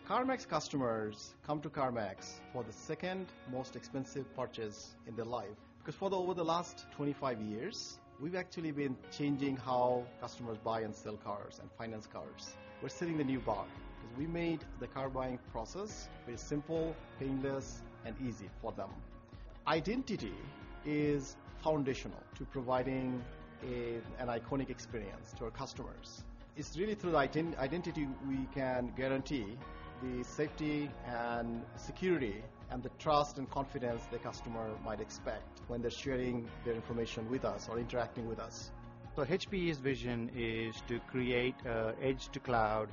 CarMax customers come to CarMax for the second most expensive purchase in their life. Over the last 25 years, we've actually been changing how customers buy and sell cars and finance cars. We're setting the new bar because we made the car buying process very simple, painless, and easy for them. Identity is foundational to providing an iconic experience to our customers. It's really through identity we can guarantee the safety and security, and the trust and confidence the customer might expect when they're sharing their information with us or interacting with us. HPE's vision is to create an edge-to-cloud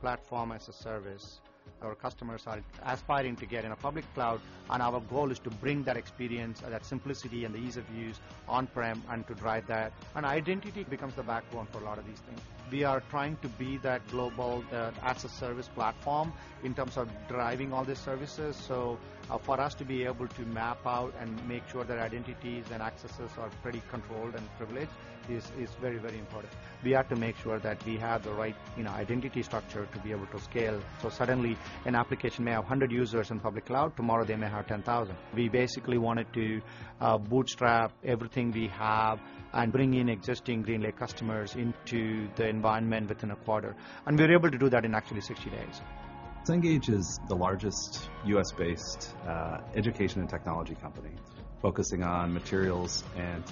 platform as a service. Our customers are aspiring to get in a public cloud, and our goal is to bring that experience, that simplicity, and the ease of use on-prem and to drive that. Identity becomes the backbone for a lot of these things. We are trying to be that global as-a-service platform in terms of driving all these services. For us to be able to map out and make sure that identities and accesses are pretty controlled and privileged is very important. We have to make sure that we have the right identity structure to be able to scale. Suddenly, an application may have 100 users in public cloud, tomorrow they may have 10,000. We basically wanted to bootstrap everything we have and bring in existing GreenLake customers into the environment within a quarter, and we were able to do that in actually 60 days. Cengage is the largest U.S.-based education and technology company focusing on materials and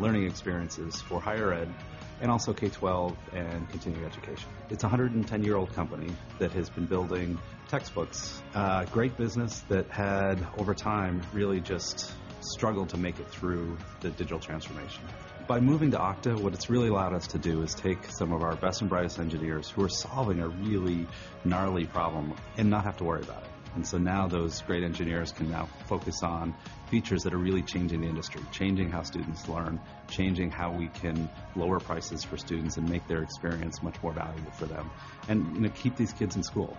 learning experiences for higher ed and also K12 and continuing education. It's a 110-year-old company that has been building textbooks. A great business that had, over time, really just struggled to make it through the digital transformation. By moving to Okta, what it's really allowed us to do is take some of our best and brightest engineers who are solving a really gnarly problem and not have to worry about it. Now those great engineers can now focus on features that are really changing the industry, changing how students learn, changing how we can lower prices for students and make their experience much more valuable for them and keep these kids in school.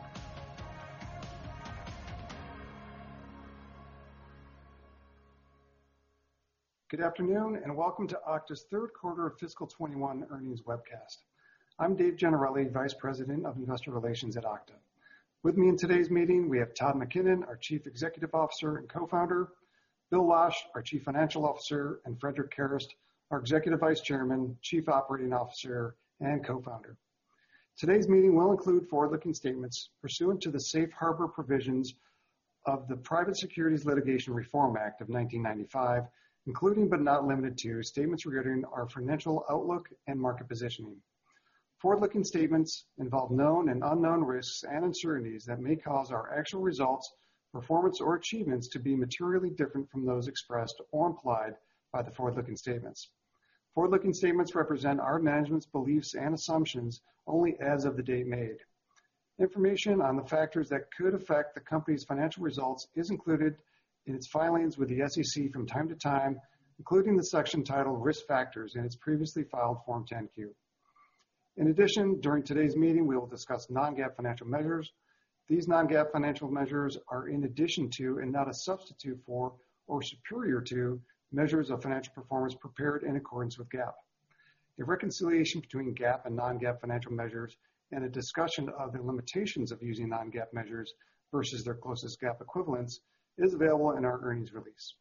Good afternoon, and welcome to Okta's third quarter of fiscal 2021 earnings webcast. I'm Dave Gennarelli, Vice President of Investor Relations at Okta. With me in today's meeting, we have Todd McKinnon, our Chief Executive Officer and Co-Founder, Bill Losch, our Chief Financial Officer, and Frederic Kerrest, our Executive Vice Chairman, Chief Operating Officer, and Co-Founder. Today's meeting will include forward-looking statements pursuant to the safe harbor provisions of the Private Securities Litigation Reform Act of 1995, including but not limited to statements regarding our financial outlook and market positioning. Forward-looking statements involve known and unknown risks and uncertainties that may cause our actual results, performance, or achievements to be materially different from those expressed or implied by the forward-looking statements. Forward-looking statements represent our management's beliefs and assumptions only as of the date made. Information on the factors that could affect the company's financial results is included in its filings with the SEC from time to time, including the section titled Risk Factors in its previously filed Form 10-Q. In addition, during today's meeting, we will discuss non-GAAP financial measures. These non-GAAP financial measures are in addition to and not a substitute for or superior to measures of financial performance prepared in accordance with GAAP. A reconciliation between GAAP and non-GAAP financial measures and a discussion of the limitations of using non-GAAP measures versus their closest GAAP equivalents is available in our earnings release.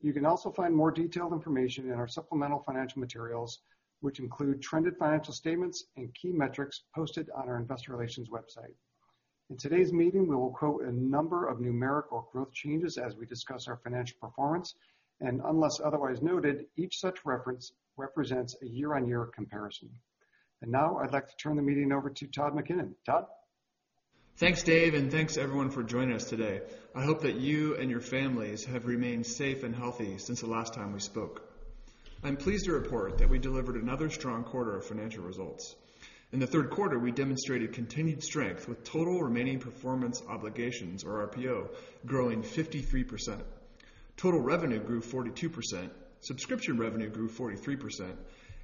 You can also find more detailed information in our supplemental financial materials, which include trended financial statements and key metrics posted on our investor relations website. In today's meeting, we will quote a number of numerical growth changes as we discuss our financial performance, and unless otherwise noted, each such reference represents a year-on-year comparison. I'd like to turn the meeting over to Todd McKinnon. Todd? Thanks, Dave, and thanks, everyone, for joining us today. I hope that you and your families have remained safe and healthy since the last time we spoke. I'm pleased to report that we delivered another strong quarter of financial results. In the third quarter, we demonstrated continued strength with total remaining performance obligations, or RPO, growing 53%. Total revenue grew 42%, subscription revenue grew 43%,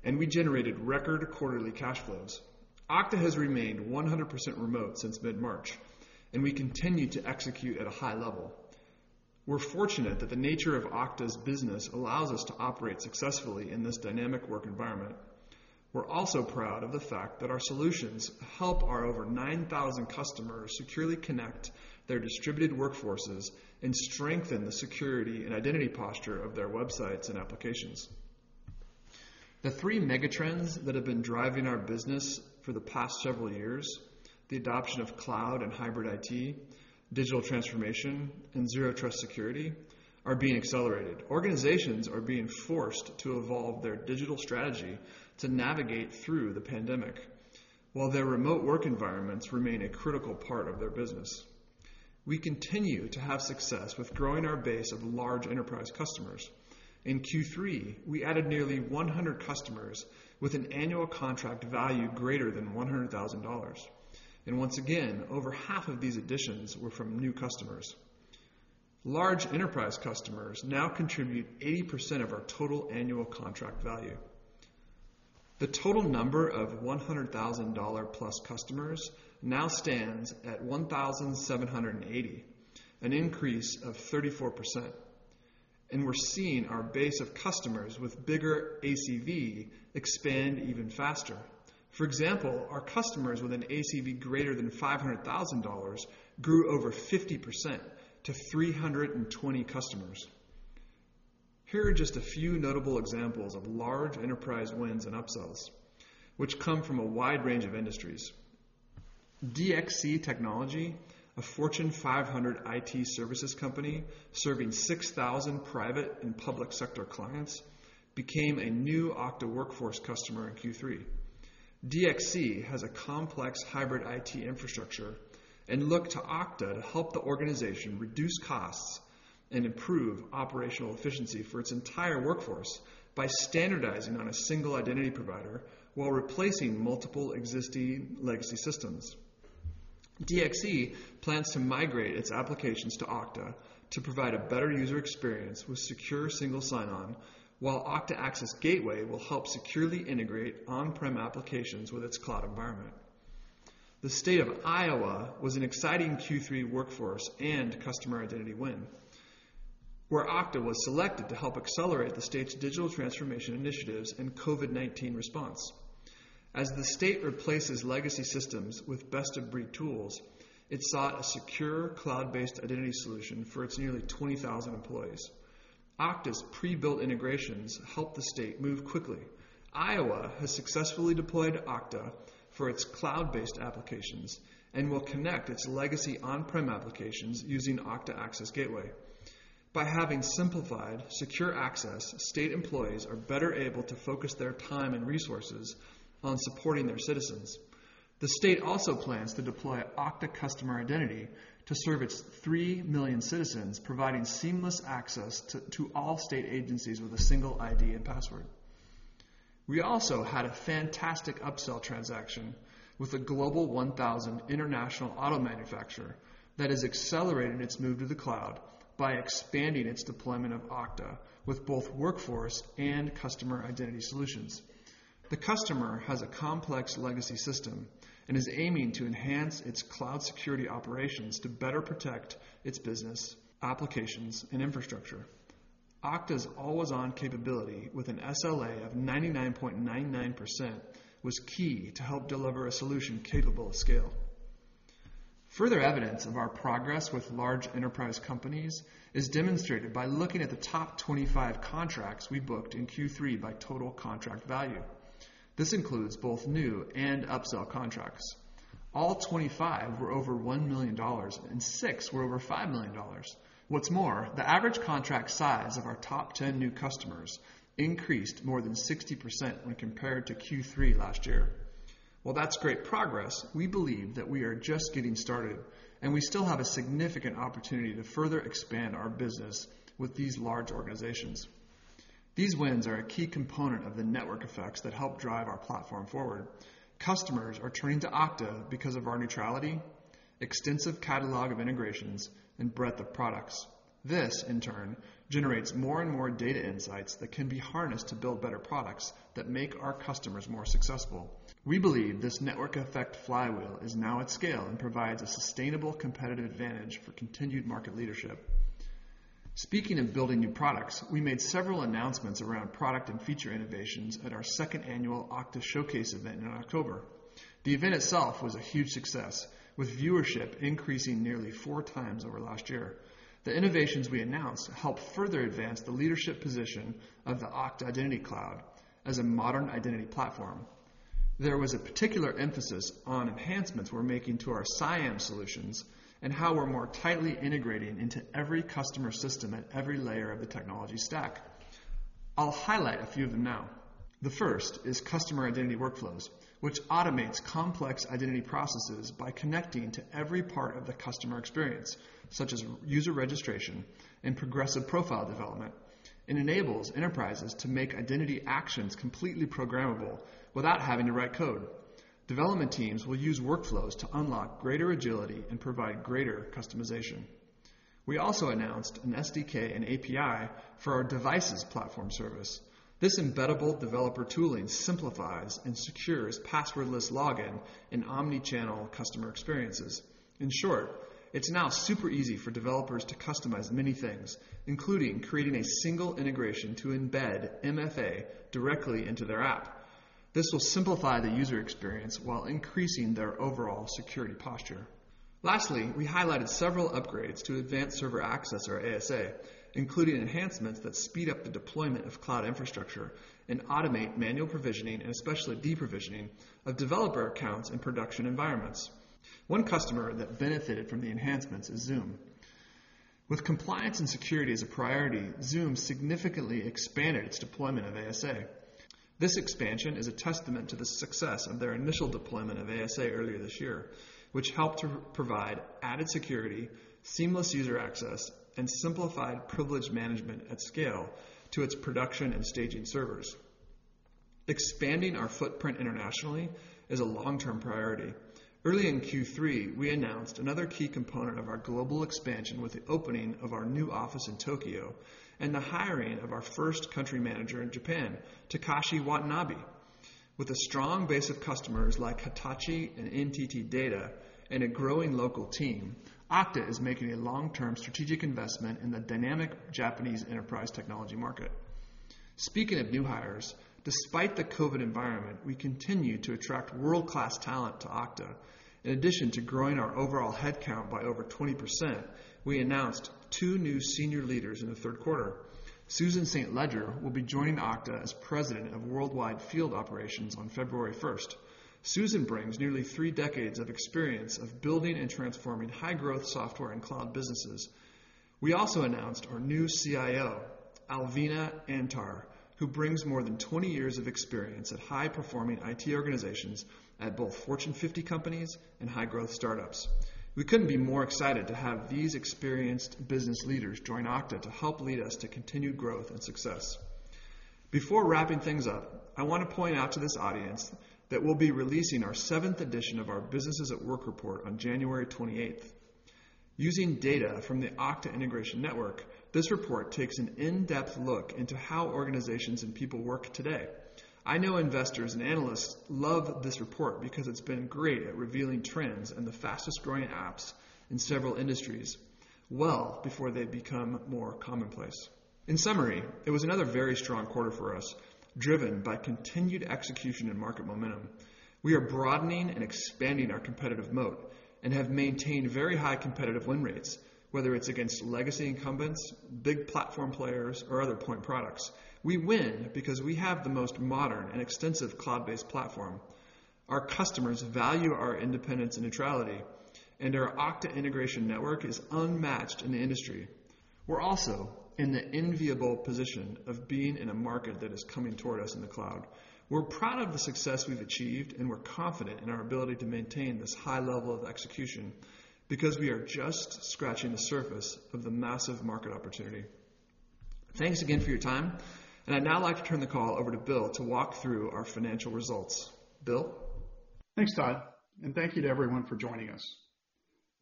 and we generated record quarterly cash flows. Okta has remained 100% remote since mid-March, and we continue to execute at a high level. We're fortunate that the nature of Okta's business allows us to operate successfully in this dynamic work environment. We're also proud of the fact that our solutions help our over 9,000 customers securely connect their distributed workforces and strengthen the security and identity posture of their websites and applications. The three megatrends that have been driving our business for the past several years, the adoption of cloud and hybrid IT, digital transformation, and Zero Trust security, are being accelerated. Organizations are being forced to evolve their digital strategy to navigate through the pandemic while their remote work environments remain a critical part of their business. We continue to have success with growing our base of large enterprise customers. In Q3, we added nearly 100 customers with an annual contract value greater than $100,000. Once again, over half of these additions were from new customers. Large enterprise customers now contribute 80% of our total annual contract value. The total number of $100,000-plus customers now stands at 1,780, an increase of 34%. We're seeing our base of customers with bigger ACV expand even faster. For example, our customers with an ACV greater than $500,000 grew over 50% to 320 customers. Here are just a few notable examples of large enterprise wins and upsells, which come from a wide range of industries. DXC Technology, a Fortune 500 IT services company serving 6,000 private and public sector clients, became a new Okta Workforce customer in Q3. DXC has a complex hybrid IT infrastructure and looked to Okta to help the organization reduce costs and improve operational efficiency for its entire workforce by standardizing on a single identity provider while replacing multiple existing legacy systems. DXC plans to migrate its applications to Okta to provide a better user experience with secure single sign-on, while Okta Access Gateway will help securely integrate on-prem applications with its cloud environment. The State of Iowa was an exciting Q3 Workforce and Customer Identity win, where Okta was selected to help accelerate the state's digital transformation initiatives and COVID-19 response. As the state replaces legacy systems with best-of-breed tools, it sought a secure, cloud-based identity solution for its nearly 20,000 employees. Okta's pre-built integrations help the state move quickly. Iowa has successfully deployed Okta for its cloud-based applications and will connect its legacy on-prem applications using Okta Access Gateway. By having simplified, secure access, state employees are better able to focus their time and resources on supporting their citizens. The state also plans to deploy Okta Customer Identity to serve its 3 million citizens, providing seamless access to all state agencies with a single ID and password. We also had a fantastic upsell transaction with a Global 1000 international auto manufacturer that is accelerating its move to the cloud by expanding its deployment of Okta with both Workforce and Customer Identity solutions. The customer has a complex legacy system and is aiming to enhance its cloud security operations to better protect its business, applications, and infrastructure. Okta's always-on capability with an SLA of 99.99% was key to help deliver a solution capable of scale. Further evidence of our progress with large enterprise companies is demonstrated by looking at the top 25 contracts we booked in Q3 by total contract value. This includes both new and upsell contracts. All 25 were over $1 million, and six were over $5 million. What's more, the average contract size of our top 10 new customers increased more than 60% when compared to Q3 last year. While that's great progress, we believe that we are just getting started, and we still have a significant opportunity to further expand our business with these large organizations. These wins are a key component of the network effects that help drive our platform forward. Customers are turning to Okta because of our neutrality, extensive catalog of integrations, and breadth of products. This, in turn, generates more and more data insights that can be harnessed to build better products that make our customers more successful. We believe this network effect flywheel is now at scale and provides a sustainable competitive advantage for continued market leadership. Speaking of building new products, we made several announcements around product and feature innovations at our second annual Okta Showcase event in October. The event itself was a huge success, with viewership increasing nearly 4x over last year. The innovations we announced help further advance the leadership position of the Okta Identity Cloud as a modern identity platform. There was a particular emphasis on enhancements we're making to our CIAM solutions and how we're more tightly integrating into every customer system at every layer of the technology stack. I'll highlight a few of them now. The first is Customer Identity Workflows, which automates complex identity processes by connecting to every part of the customer experience, such as user registration and progressive profile development, and enables enterprises to make identity actions completely programmable without having to write code. Development teams will use Workflows to unlock greater agility and provide greater customization. We also announced an SDK and API for our devices platform service. This embeddable developer tooling simplifies and secures passwordless login in omni-channel customer experiences. In short, it is now super easy for developers to customize many things, including creating a single integration to embed MFA directly into their app. This will simplify the user experience while increasing their overall security posture. Lastly, we highlighted several upgrades to Advanced Server Access or ASA, including enhancements that speed up the deployment of cloud infrastructure and automate manual provisioning, and especially deprovisioning of developer accounts in production environments. One customer that benefited from the enhancements is Zoom. With compliance and security as a priority, Zoom significantly expanded its deployment of ASA. This expansion is a testament to the success of their initial deployment of ASA earlier this year, which helped to provide added security, seamless user access, and simplified privilege management at scale to its production and staging servers. Expanding our footprint internationally is a long-term priority. Early in Q3, we announced another key component of our global expansion with the opening of our new office in Tokyo and the hiring of our first country manager in Japan, Takashi Watanabe. With a strong base of customers like Hitachi and NTT Data and a growing local team, Okta is making a long-term strategic investment in the dynamic Japanese enterprise technology market. Speaking of new hires, despite the COVID environment, we continue to attract world-class talent to Okta. In addition to growing our overall headcount by over 20%, we announced two new senior leaders in the third quarter. Susan St. Ledger will be joining Okta as President of Worldwide Field Operations on February 1st. Susan brings nearly three decades of experience of building and transforming high-growth software and cloud businesses. We also announced our new CIO, Alvina Antar, who brings more than 20 years of experience at high-performing IT organizations at both Fortune 50 companies and high-growth startups. We couldn't be more excited to have these experienced business leaders join Okta to help lead us to continued growth and success. Before wrapping things up, I want to point out to this audience that we'll be releasing our seventh edition of our Businesses at Work report on January 28th. Using data from the Okta Integration Network, this report takes an in-depth look into how organizations and people work today. I know investors and analysts love this report because it's been great at revealing trends and the fastest-growing apps in several industries well before they become more commonplace. In summary, it was another very strong quarter for us, driven by continued execution and market momentum. We are broadening and expanding our competitive moat and have maintained very high competitive win rates, whether it's against legacy incumbents, big platform players, or other point products. We win because we have the most modern and extensive cloud-based platform. Our customers value our independence and neutrality, and our Okta Integration Network is unmatched in the industry. We're also in the enviable position of being in a market that is coming toward us in the cloud. We're proud of the success we've achieved, and we're confident in our ability to maintain this high level of execution because we are just scratching the surface of the massive market opportunity. Thanks again for your time. I'd now like to turn the call over to Bill to walk through our financial results. Bill? Thanks, Todd. Thank you to everyone for joining us.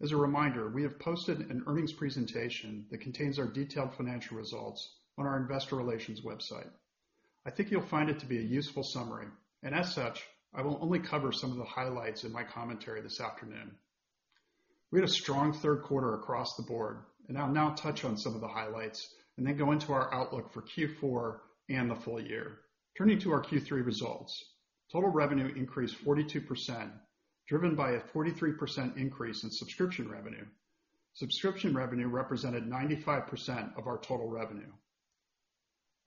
As a reminder, we have posted an earnings presentation that contains our detailed financial results on our investor relations website. I think you'll find it to be a useful summary. As such, I will only cover some of the highlights in my commentary this afternoon. We had a strong third quarter across the board. I'll now touch on some of the highlights and then go into our outlook for Q4 and the full-year. Turning to our Q3 results, total revenue increased 42%, driven by a 43% increase in subscription revenue. Subscription revenue represented 95% of our total revenue.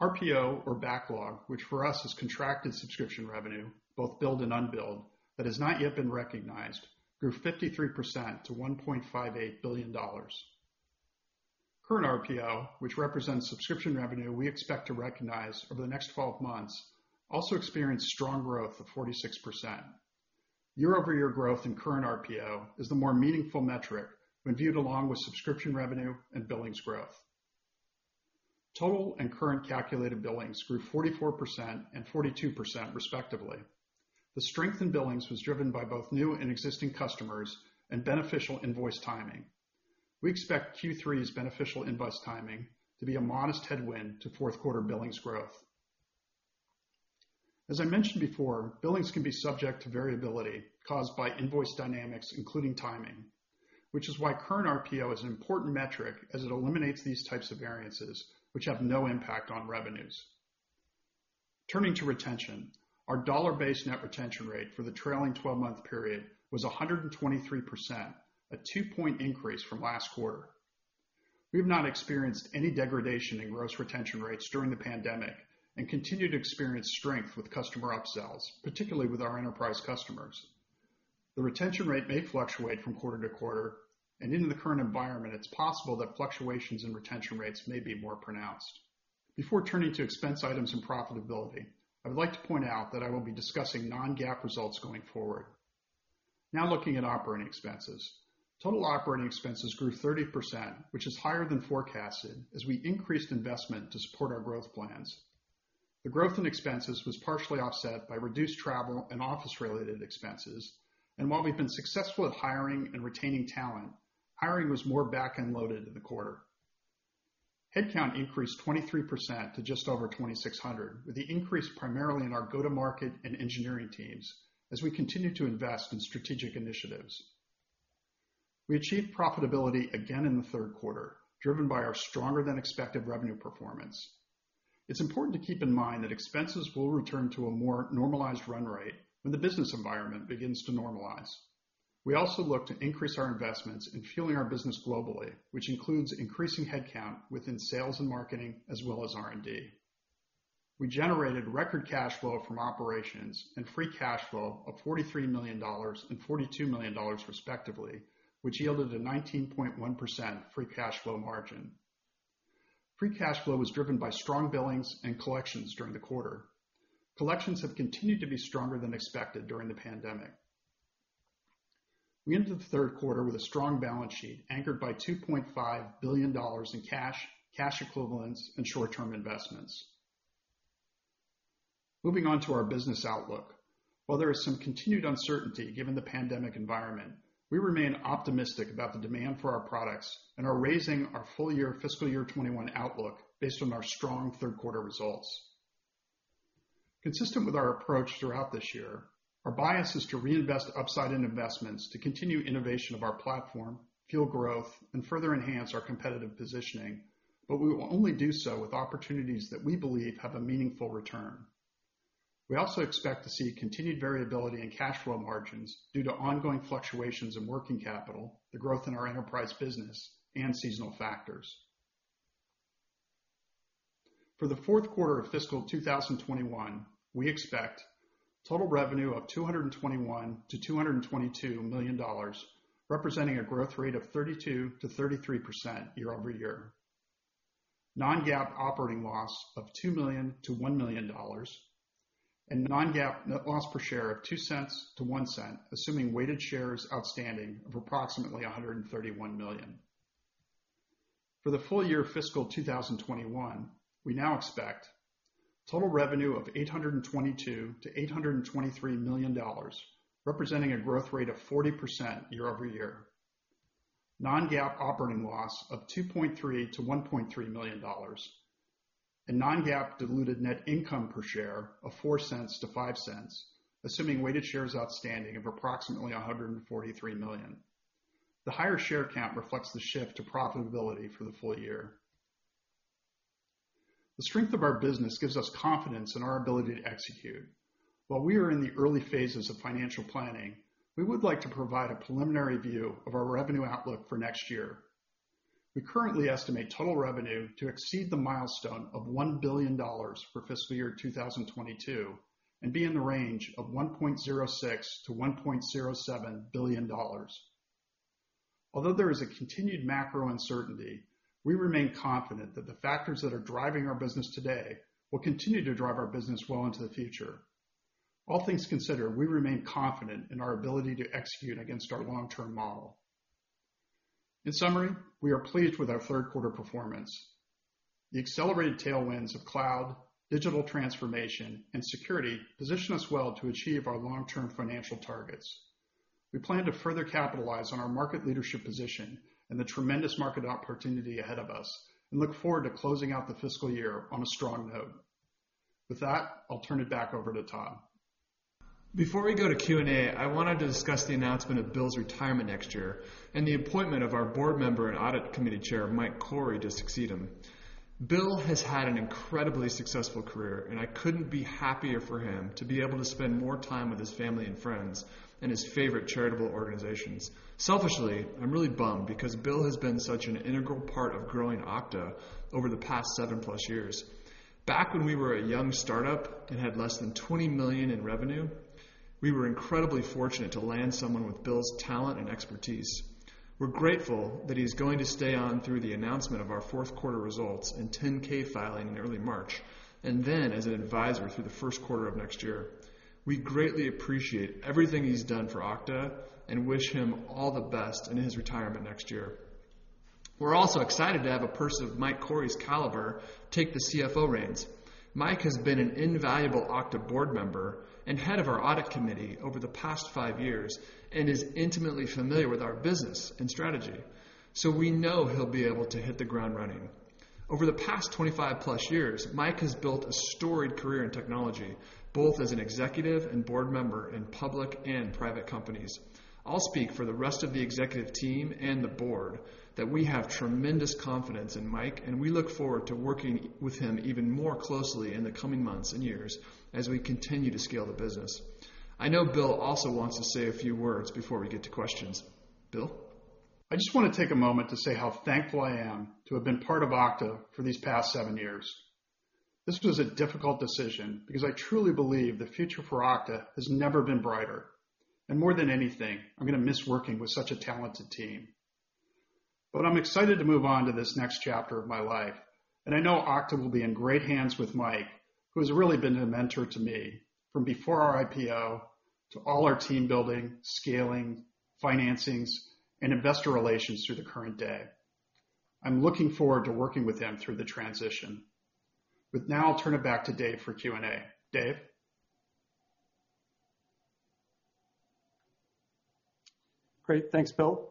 RPO or backlog, which for us is contracted subscription revenue, both billed and unbilled, that has not yet been recognized, grew 53% to $1.58 billion. Current RPO, which represents subscription revenue we expect to recognize over the next 12 months, also experienced strong growth of 46%. Year-over-year growth in current RPO is the more meaningful metric when viewed along with subscription revenue and billings growth. Total and current calculated billings grew 44% and 42% respectively. The strength in billings was driven by both new and existing customers and beneficial invoice timing. We expect Q3's beneficial invoice timing to be a modest headwind to fourth-quarter billings growth. As I mentioned before, billings can be subject to variability caused by invoice dynamics, including timing, which is why current RPO is an important metric as it eliminates these types of variances, which have no impact on revenues. Turning to retention, our dollar-based net retention rate for the trailing 12-month period was 123%, a 2point increase from last quarter. We have not experienced any degradation in gross retention rates during the pandemic and continue to experience strength with customer upsells, particularly with our enterprise customers. The retention rate may fluctuate from quarter-to-quarter, and in the current environment, it's possible that fluctuations in retention rates may be more pronounced. Before turning to expense items and profitability, I would like to point out that I will be discussing non-GAAP results going forward. Now looking at operating expenses. Total operating expenses grew 30%, which is higher than forecasted as we increased investment to support our growth plans. The growth in expenses was partially offset by reduced travel and office-related expenses. While we've been successful at hiring and retaining talent, hiring was more back-end loaded in the quarter. Headcount increased 23% to just over 2,600, with the increase primarily in our go-to-market and engineering teams as we continue to invest in strategic initiatives. We achieved profitability again in the third quarter, driven by our stronger-than-expected revenue performance. It's important to keep in mind that expenses will return to a more normalized run rate when the business environment begins to normalize. We also look to increase our investments in fueling our business globally, which includes increasing headcount within sales and marketing as well as R&D. We generated record cash flow from operations and free cash flow of $43 million and $42 million respectively, which yielded a 19.1% free cash flow margin. Free cash flow was driven by strong billings and collections during the quarter. Collections have continued to be stronger than expected during the pandemic. We ended the third quarter with a strong balance sheet anchored by $2.5 billion in cash equivalents, and short-term investments. Moving on to our business outlook. While there is some continued uncertainty given the pandemic environment, we remain optimistic about the demand for our products and are raising our full-year fiscal year 2021 outlook based on our strong third quarter results. Consistent with our approach throughout this year, our bias is to reinvest upside in investments to continue innovation of our platform, fuel growth, and further enhance our competitive positioning, but we will only do so with opportunities that we believe have a meaningful return. We also expect to see continued variability in cash flow margins due to ongoing fluctuations in working capital, the growth in our enterprise business, and seasonal factors. For the fourth quarter of fiscal 2021, we expect total revenue of $221 million-$222 million, representing a growth rate of 32%-33% year-over-year. Non-GAAP operating loss of $2 million to $1 million, and non-GAAP net loss per share of $0.02 to $0.01, assuming weighted shares outstanding of approximately 131 million. For the full-year fiscal 2021, we now expect total revenue of $822 million-$823 million, representing a growth rate of 40% year-over-year. Non-GAAP operating loss of $2.3 million to $1.3 million, and non-GAAP diluted net income per share of $0.04-$0.05, assuming weighted shares outstanding of approximately 143 million. The higher share count reflects the shift to profitability for the full-year. The strength of our business gives us confidence in our ability to execute. While we are in the early phases of financial planning, we would like to provide a preliminary view of our revenue outlook for next year. We currently estimate total revenue to exceed the milestone of $1 billion for fiscal year 2022 and be in the range of $1.06 billion-$1.07 billion. Although there is a continued macro uncertainty, we remain confident that the factors that are driving our business today will continue to drive our business well into the future. All things considered, we remain confident in our ability to execute against our long-term model. In summary, we are pleased with our third quarter performance. The accelerated tailwinds of cloud, digital transformation, and security position us well to achieve our long-term financial targets. We plan to further capitalize on our market leadership position and the tremendous market opportunity ahead of us and look forward to closing out the fiscal year on a strong note. With that, I'll turn it back over to Todd. Before we go to Q&A, I wanted to discuss the announcement of Bill's retirement next year and the appointment of our board member and audit committee chair, Mike Kourey, to succeed him. Bill has had an incredibly successful career, and I couldn't be happier for him to be able to spend more time with his family and friends and his favorite charitable organizations. Selfishly, I'm really bummed because Bill has been such an integral part of growing Okta over the past 7+ years. Back when we were a young startup and had less than $20 million in revenue, we were incredibly fortunate to land someone with Bill's talent and expertise. We're grateful that he's going to stay on through the announcement of our fourth quarter results and Form 10-K filing in early March, and then as an advisor through the first quarter of next year. We greatly appreciate everything he's done for Okta and wish him all the best in his retirement next year. We're also excited to have a person of Mike Kourey's caliber take the CFO reins. Mike has been an invaluable Okta board member and head of our audit committee over the past five years and is intimately familiar with our business and strategy, so we know he'll be able to hit the ground running. Over the past 25+ years, Mike has built a storied career in technology, both as an executive and board member in public and private companies. I'll speak for the rest of the executive team and the board that we have tremendous confidence in Mike, and we look forward to working with him even more closely in the coming months and years as we continue to scale the business. I know Bill also wants to say a few words before we get to questions. Bill? I just want to take a moment to say how thankful I am to have been part of Okta for these past seven years. This was a difficult decision because I truly believe the future for Okta has never been brighter. More than anything, I'm going to miss working with such a talented team. I'm excited to move on to this next chapter of my life, and I know Okta will be in great hands with Mike, who has really been a mentor to me from before our IPO to all our team building, scaling, financings, and investor relations through the current day. I'm looking forward to working with him through the transition. With now, I'll turn it back to Dave for Q&A. Dave? Great. Thanks, Bill.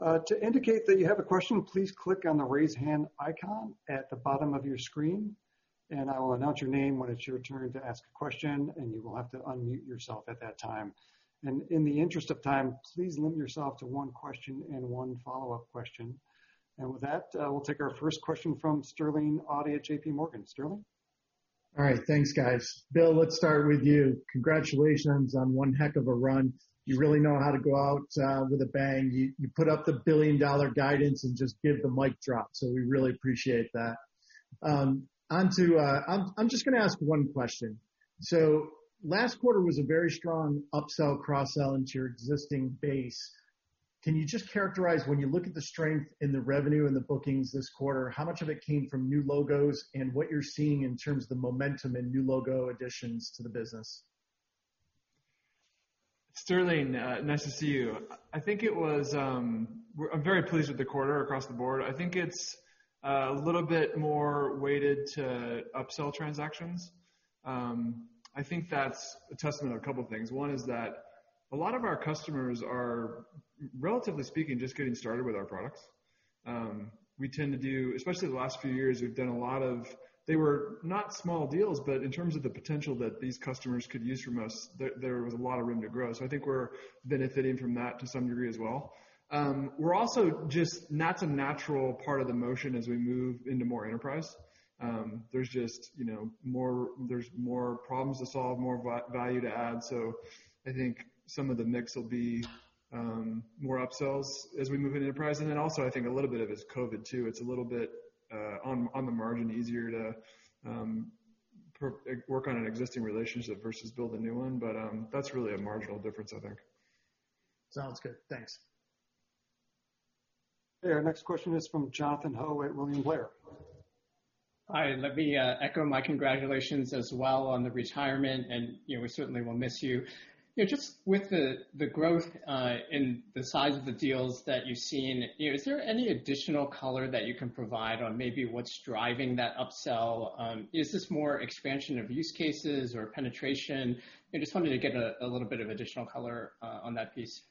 To indicate that you have a question, please click on the raise hand icon at the bottom of your screen, and I will announce your name when it's your turn to ask a question, and you will have to unmute yourself at that time. In the interest of time, please limit yourself to one question and one follow-up question. With that, we'll take our first question from Sterling Auty at JPMorgan. Sterling? All right. Thanks, guys. Bill, let's start with you. Congratulations on one heck of a run. You really know how to go out with a bang. You put up the $1 billion guidance and just give the mic drop. We really appreciate that. I'm just going to ask one question. Last quarter was a very strong upsell, cross-sell into your existing base. Can you just characterize when you look at the strength in the revenue and the bookings this quarter, how much of it came from new logos and what you're seeing in terms of the momentum and new logo additions to the business? Sterling, nice to see you. I'm very pleased with the quarter across the board. I think it's a little bit more weighted to upsell transactions. I think that's a testament of a couple things. One is that a lot of our customers are, relatively speaking, just getting started with our products. Especially the last few years, we've done a lot of, they were not small deals. In terms of the potential that these customers could use from us, there was a lot of room to grow. I think we're benefiting from that to some degree as well. That's a natural part of the motion as we move into more enterprise. There's more problems to solve, more value to add. I think some of the mix will be more upsells as we move into enterprise. Also, I think a little bit of it's COVID too. It's a little bit, on the margin, easier to work on an existing relationship versus build a new one. That's really a marginal difference, I think. Sounds good. Thanks. Our next question is from Jonathan Ho at William Blair. Hi. Let me echo my congratulations as well on the retirement and we certainly will miss you. Just with the growth in the size of the deals that you've seen, is there any additional color that you can provide on maybe what's driving that upsell? Is this more expansion of use cases or penetration? I just wanted to get a little bit of additional color on that piece.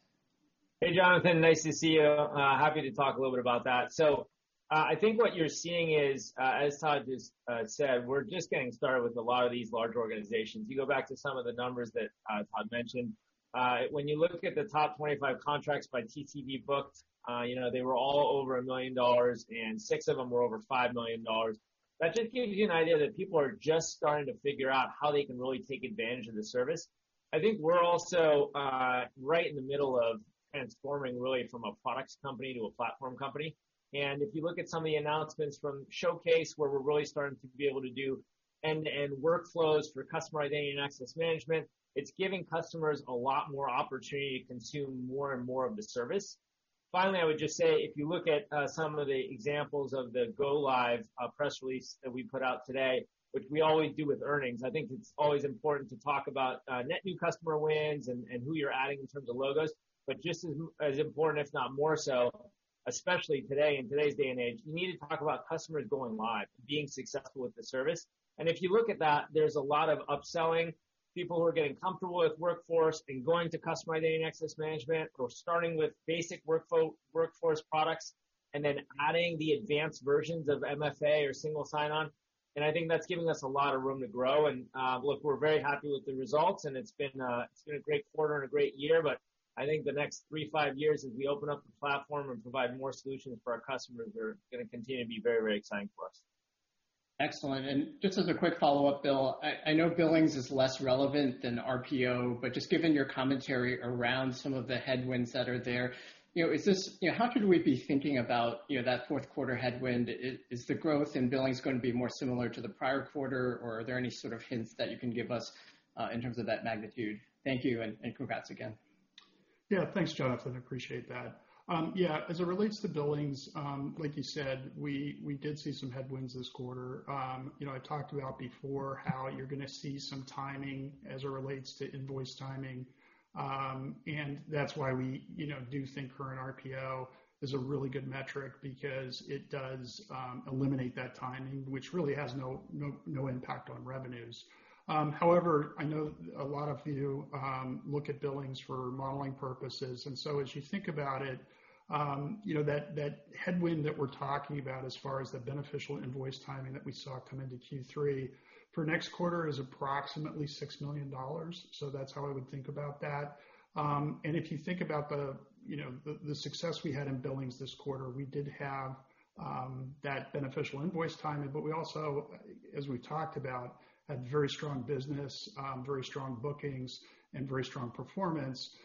Hey, Jonathan. Nice to see you. Happy to talk a little bit about that. I think what you're seeing is, as Todd just said, we're just getting started with a lot of these large organizations. You go back to some of the numbers that Todd mentioned. When you look at the top 25 contracts by TCV booked, they were all over $1 million, and six of them were over $5 million. That just gives you an idea that people are just starting to figure out how they can really take advantage of the service. I think we're also right in the middle of transforming really from a products company to a platform company. If you look at some of the announcements from Showcase, where we're really starting to be able to do end-to-end workflows for customer identity and access management, it's giving customers a lot more opportunity to consume more and more of the service. Finally, I would just say, if you look at some of the examples of the go-live press release that we put out today, which we always do with earnings. I think it's always important to talk about net new customer wins and who you're adding in terms of logos. Just as important, if not more so, especially today, in today's day and age, you need to talk about customers going live and being successful with the service. If you look at that, there's a lot of upselling. People who are getting comfortable with Workforce and going to Customer Identity and Access Management or starting with basic Workforce products and then adding the advanced versions of MFA or single sign-on. I think that's giving us a lot of room to grow. Look, we're very happy with the results, and it's been a great quarter and a great year. I think the next three to five years, as we open up the platform and provide more solutions for our customers, are going to continue to be very exciting for us. Excellent. Just as a quick follow-up, Bill, I know billings is less relevant than RPO, just given your commentary around some of the headwinds that are there, how should we be thinking about that fourth quarter headwind? Is the growth in billings going to be more similar to the prior quarter, are there any sort of hints that you can give us in terms of that magnitude? Thank you, congrats again. Yeah, thanks, Jonathan. Appreciate that. Yeah, as it relates to billings, like you said, we did see some headwinds this quarter. I talked about before how you're going to see some timing as it relates to invoice timing. That's why we do think current RPO is a really good metric because it does eliminate that timing, which really has no impact on revenues. However, I know a lot of you look at billings for modeling purposes, and so as you think about it, that headwind that we're talking about as far as the beneficial invoice timing that we saw come into Q3, for next quarter is approximately $6 million. That's how I would think about that. If you think about the success we had in billings this quarter, we did have that beneficial invoice timing. We also, as we talked about, had very strong business, very strong bookings, and very strong performance.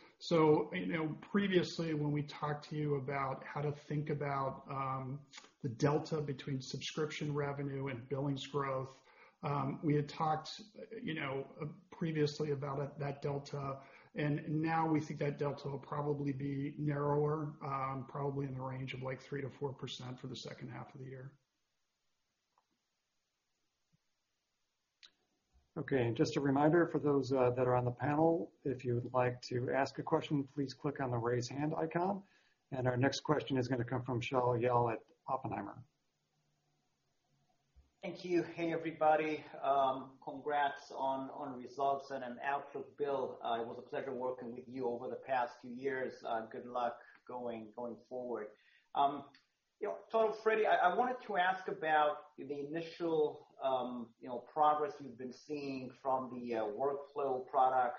Previously, when we talked to you about how to think about the delta between subscription revenue and billings growth, we had talked previously about that delta, and now we think that delta will probably be narrower, probably in the range of 3%-4% for the second half of the year. Okay. Just a reminder for those that are on the panel, if you would like to ask a question, please click on the raise hand icon. Our next question is going to come from Shaul Eyal at Oppenheimer. Thank you. Hey, everybody. Congrats on results and an outlook, Bill. It was a pleasure working with you over the past few years. Good luck going forward. Todd or Freddy, I wanted to ask about the initial progress you've been seeing from the Workflows product,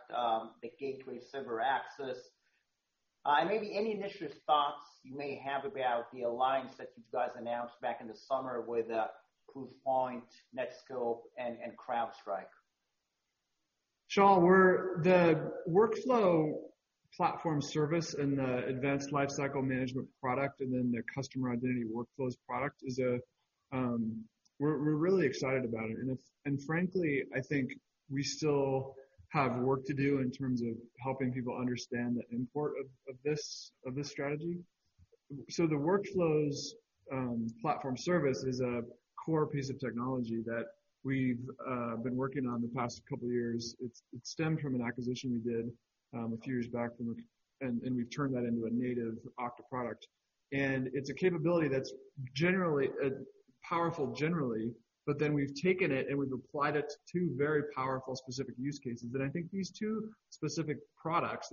the Gateway, Server Access. Maybe any initial thoughts you may have about the alliance that you guys announced back in the summer with Proofpoint, Netskope, and CrowdStrike. Shaul, the Workflows platform service and the Advanced Lifecycle Management product and the Customer Identity Workflows product, we're really excited about it. Frankly, I think we still have work to do in terms of helping people understand import of this strategy. The Workflows platform service is a core piece of technology that we've been working on the past couple of years. It stemmed from an acquisition we did a few years back, and we've turned that into a native Okta product. It's a capability that's powerful generally, we've taken it and we've applied it to two very powerful specific use cases. I think these two specific products,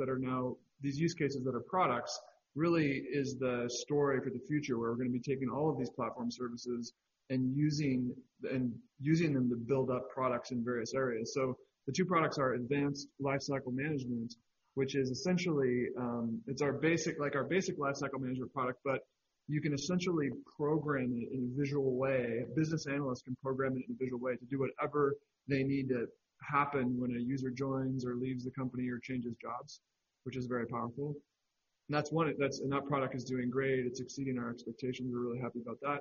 these use cases that are products, really is the story for the future, where we're going to be taking all of these platform services and using them to build up products in various areas. The two products are Advanced Lifecycle Management, which is essentially our basic lifecycle management product, but you can essentially program it in a visual way. A business analyst can program it in a visual way to do whatever they need to happen when a user joins or leaves the company or changes jobs, which is very powerful. That product is doing great. It's exceeding our expectations. We're really happy about that.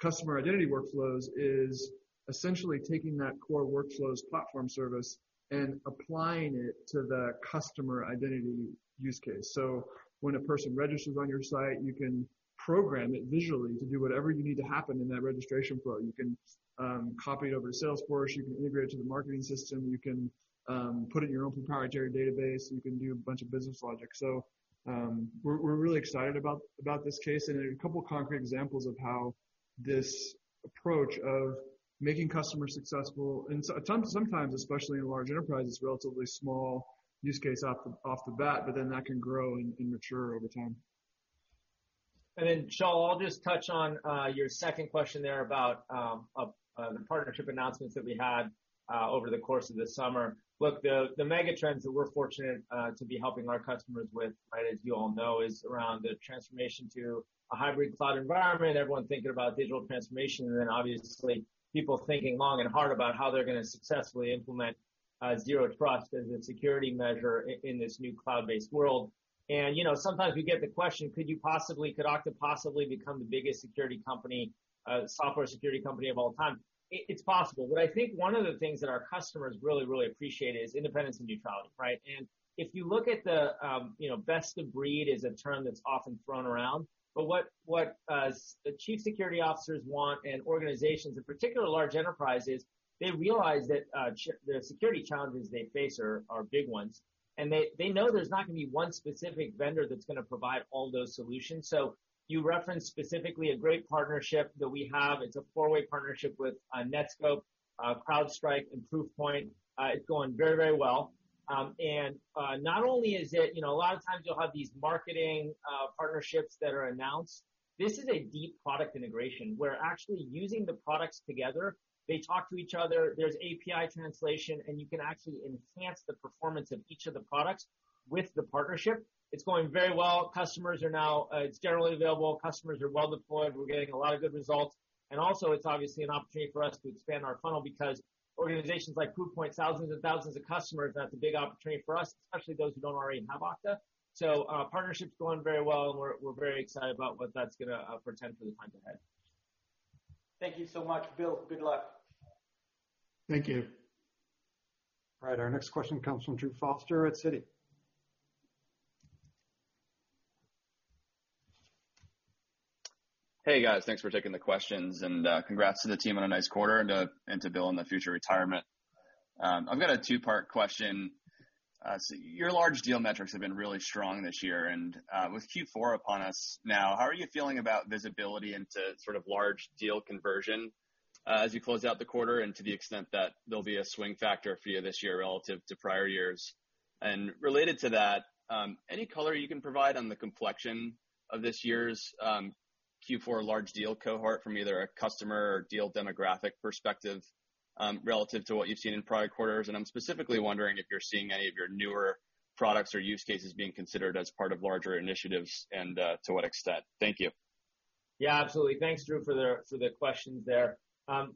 Customer Identity Workflows is essentially taking that core Workflows platform service and applying it to the customer identity use case. When a person registers on your site, you can program it visually to do whatever you need to happen in that registration flow. You can copy it over to Salesforce, you can integrate it to the marketing system, you can put it in your own proprietary database, you can do a bunch of business logic. We're really excited about this case. A couple of concrete examples of how this approach of making customers successful, and sometimes, especially in large enterprises, relatively small use case off the bat, but then that can grow and mature over time. Then, Shaul, I'll just touch on your second question there about the partnership announcements that we had over the course of the summer. The mega trends that we're fortunate to be helping our customers with, as you all know, is around the transformation to a hybrid cloud environment, everyone thinking about digital transformation, and then obviously people thinking long and hard about how they're going to successfully implement Zero Trust as a security measure in this new cloud-based world. Sometimes we get the question, could Okta possibly become the biggest software security company of all time? It's possible. I think one of the things that our customers really appreciate is independence and neutrality, right? If you look at the, best of breed is a term that's often thrown around, but what the Chief Security Officers want and organizations, in particular large enterprises, they realize that the security challenges they face are big ones, and they know there's not going to be one specific vendor that's going to provide all those solutions. You referenced specifically a great partnership that we have. It's a four-way partnership with Netskope, CrowdStrike, and Proofpoint. It's going very well. A lot of times you'll have these marketing partnerships that are announced. This is a deep product integration. We're actually using the products together. They talk to each other, there's API translation, you can actually enhance the performance of each of the products with the partnership. It's going very well. It's generally available. Customers are well deployed. We're getting a lot of good results. Also, it's obviously an opportunity for us to expand our funnel because organizations like Proofpoint, thousands and thousands of customers, that's a big opportunity for us, especially those who don't already have Okta. Partnership's going very well, and we're very excited about what that's going to portend for the time ahead. Thank you so much, Bill. Good luck. Thank you. All right, our next question comes from Drew Foster at Citi. Hey, guys. Thanks for taking the questions and congrats to the team on a nice quarter and to Bill on the future retirement. I've got a two-part question. Your large deal metrics have been really strong this year, and with Q4 upon us now, how are you feeling about visibility into large deal conversion as you close out the quarter and to the extent that there'll be a swing factor for you this year relative to prior years? Related to that, any color you can provide on the complexion of this year's Q4 large deal cohort from either a customer or deal demographic perspective relative to what you've seen in prior quarters? I'm specifically wondering if you're seeing any of your newer products or use cases being considered as part of larger initiatives and to what extent. Thank you. Absolutely. Thanks, Drew, for the questions there.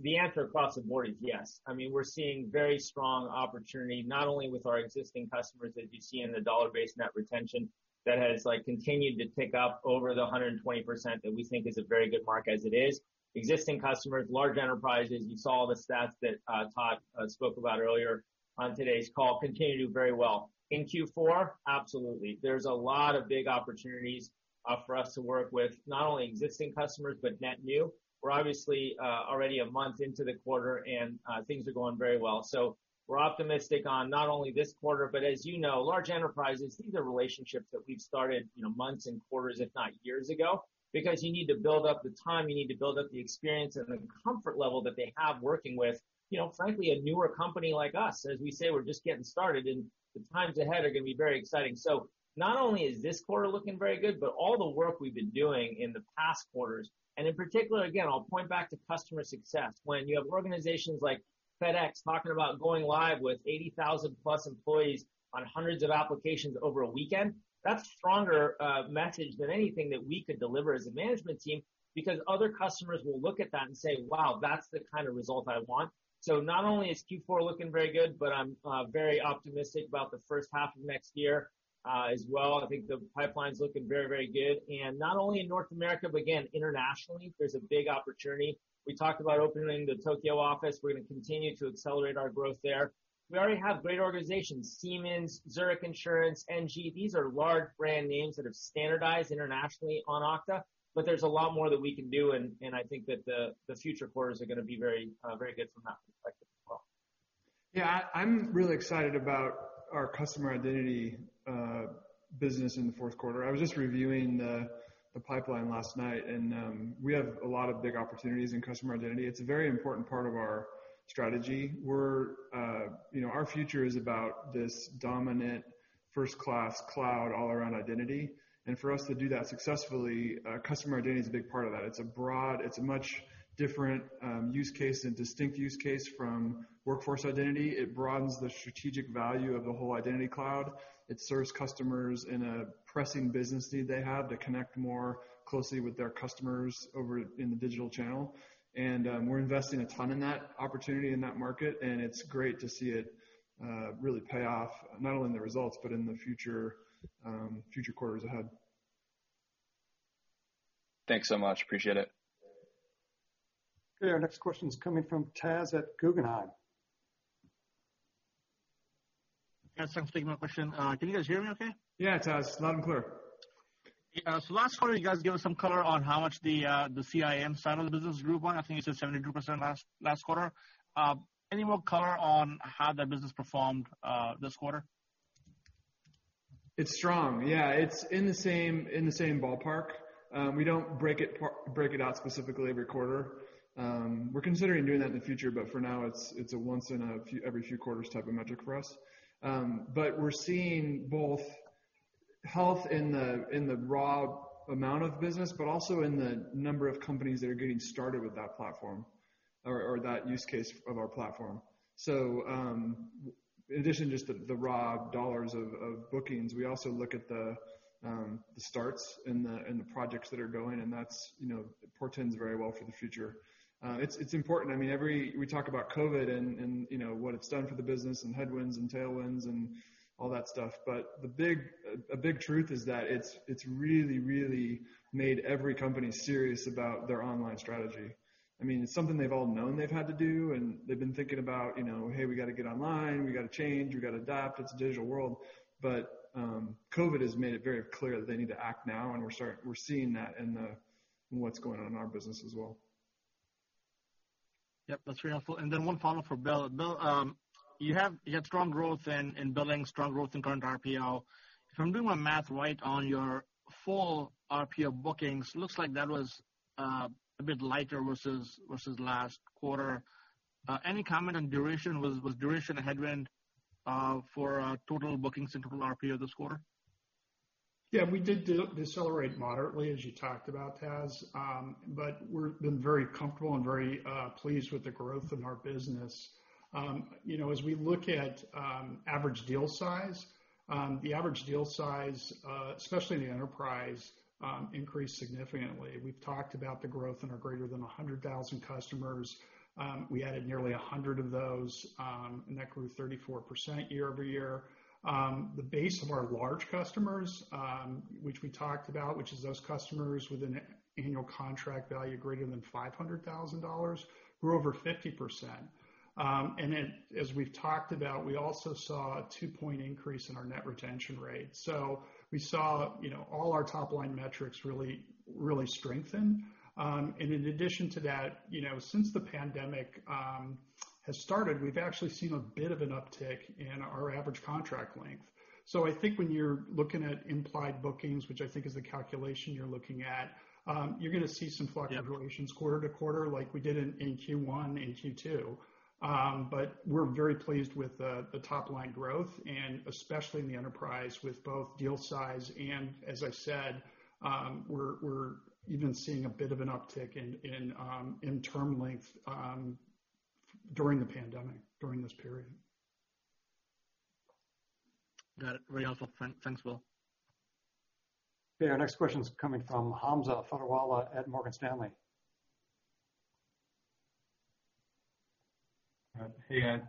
The answer across the board is yes. We're seeing very strong opportunity, not only with our existing customers as you see in the dollar-based net retention that has continued to tick up over the 120%, that we think is a very good mark as it is. Existing customers, large enterprises, you saw the stats that Todd spoke about earlier on today's call, continue to do very well. In Q4, absolutely. There's a lot of big opportunities for us to work with not only existing customers, but net new. We're obviously already a month into the quarter and things are going very well. We're optimistic on not only this quarter, but as you know, large enterprises, these are relationships that we've started months and quarters, if not years ago, because you need to build up the time, you need to build up the experience and the comfort level that they have working with frankly, a newer company like us. As we say, we're just getting started and the times ahead are going to be very exciting. Not only is this quarter looking very good, but all the work we've been doing in the past quarters, and in particular, again, I'll point back to customer success. When you have organizations like FedEx talking about going live with 80,000+ employees on hundreds of applications over a weekend, that's a stronger message than anything that we could deliver as a management team because other customers will look at that and say, "Wow, that's the kind of result I want." Not only is Q4 looking very good, but I'm very optimistic about the first half of next year as well. I think the pipeline's looking very, very good. Not only in North America, but again, internationally, there's a big opportunity. We talked about opening the Tokyo office. We're going to continue to accelerate our growth there. We already have great organizations, Siemens, Zurich Insurance, ENGIE. These are large brand names that have standardized internationally on Okta, but there's a lot more that we can do, and I think that the future quarters are going to be very good from that perspective as well. Yeah, I'm really excited about our customer identity business in the fourth quarter. I was just reviewing the pipeline last night, we have a lot of big opportunities in customer identity. It's a very important part of our strategy. Our future is about this dominant first-class cloud all around identity. For us to do that successfully, customer identity is a big part of that. It's a much different use case and distinct use case from workforce identity. It broadens the strategic value of the whole Identity Cloud. It serves customers in a pressing business need they have to connect more closely with their customers over in the digital channel. We're investing a ton in that opportunity, in that market, and it's great to see it really pay off, not only in the results but in the future quarters ahead. Thanks so much. Appreciate it. Okay, our next question is coming from Taz at Guggenheim. Yeah, thanks for taking my question. Can you guys hear me okay? Yeah, Taz, loud and clear. Yeah. Last quarter, you guys gave us some color on how much the CIAM side of the business grew by. I think you said 72% last quarter. Any more color on how that business performed this quarter? It's strong. Yeah. It's in the same ballpark. We don't break it out specifically every quarter. We're considering doing that in the future, for now, it's a once in a every few quarters type of metric for us. We're seeing both health in the raw amount of business, but also in the number of companies that are getting started with that platform or that use case of our platform. In addition to just the raw dollars of bookings, we also look at the starts and the projects that are going, and that portends very well for the future. It's important. We talk about COVID and what it's done for the business and headwinds and tailwinds and all that stuff. A big truth is that it's really made every company serious about their online strategy. It's something they've all known they've had to do, and they've been thinking about, "Hey, we got to get online. We got to change. We got to adapt. It's a digital world." COVID has made it very clear that they need to act now, and we're seeing that in what's going on in our business as well. Yep. That's very helpful. One follow-up for Bill. Bill, you had strong growth in billing, strong growth in current RPO. If I'm doing my math right on your full RPO bookings, looks like that was a bit lighter versus last quarter. Any comment on duration? Was duration a headwind for total bookings, in total RPO this quarter? We did decelerate moderately, as you talked about, Taz. We've been very comfortable and very pleased with the growth in our business. As we look at average deal size, the average deal size, especially in the enterprise, increased significantly. We've talked about the growth in our greater than 100,000 customers. We added nearly 100 of those, and that grew 34% year-over-year. The base of our large customers, which we talked about, which is those customers with an annual contract value greater than $500,000, grew over 50%. Then, as we've talked about, we also saw a 2-point increase in our net retention rate. We saw all our top-line metrics really strengthen. In addition to that, since the pandemic has started, we've actually seen a bit of an uptick in our average contract length. I think when you're looking at implied bookings, which I think is the calculation you're looking at, you're going to see some fluctuations quarter to quarter like we did in Q1 and Q2. We're very pleased with the top-line growth, and especially in the enterprise with both deal size and, as I said, we're even seeing a bit of an uptick in term length during the pandemic, during this period. Got it. Very helpful. Thanks, Bill. Okay, our next question is coming from Hamza Fodderwala at Morgan Stanley. Hey, guys.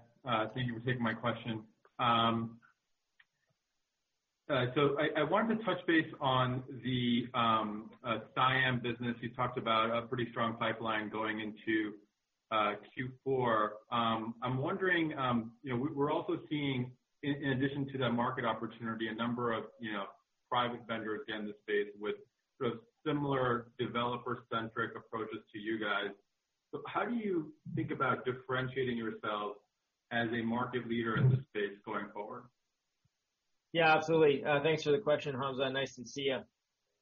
Thank you for taking my question. I wanted to touch base on the CIAM business. You talked about a pretty strong pipeline going into Q4. I'm wondering, we're also seeing, in addition to that market opportunity, a number of private vendors in the space with sort of similar developer-centric approaches to you guys. How do you think about differentiating yourselves as a market leader in this space going forward? Yeah, absolutely. Thanks for the question, Hamza. Nice to see you.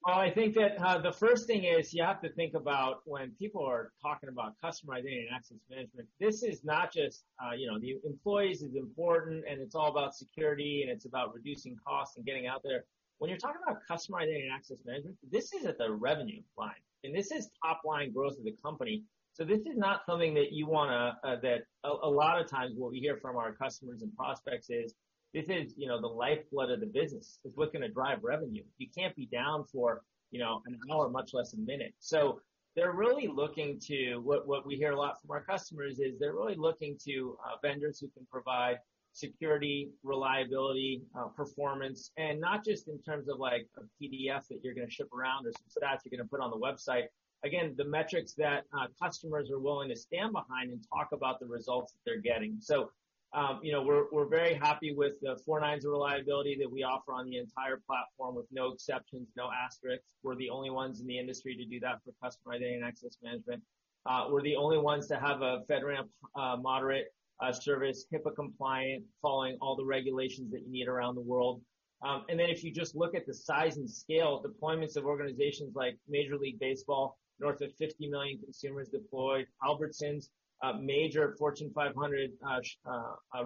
Well, I think that the first thing is you have to think about when people are talking about customer identity and access management, this is not just, the employees is important, and it's all about security, and it's about reducing costs and getting out there. When you're talking about customer identity and access management, this is at the revenue line, and this is top-line growth of the company. This is not something that you want. A lot of times what we hear from our customers and prospects is, this is the lifeblood of the business. It's what's going to drive revenue. You can't be down for an hour, much less a minute. What we hear a lot from our customers is they're really looking to vendors who can provide security, reliability, performance, and not just in terms of a PDF that you're going to ship around or some stats you're going to put on the website. Again, the metrics that customers are willing to stand behind and talk about the results that they're getting. We're very happy with the four nines of reliability that we offer on the entire platform, with no exceptions, no asterisks. We're the only ones in the industry to do that for Customer Identity and Access Management. We're the only ones to have a FedRAMP moderate service, HIPAA compliant, following all the regulations that you need around the world. If you just look at the size and scale of deployments of organizations like Major League Baseball, north of 50 million consumers deployed. Albertsons, a major Fortune 500